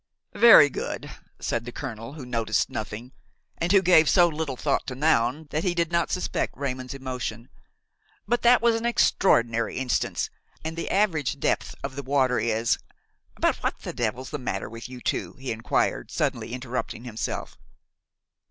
"Very good," said the colonel, who noticed nothing, and who gave so little thought to Noun that he did not suspect Raymon's emotion; "but that was an extraordinary instance, and the average depth of the water is– But what the devil's the matter with you two?" he inquired, suddenly interrupting himself.